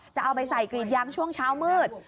จะเอาไปใส่กรีดยางช่วงเช้ามืด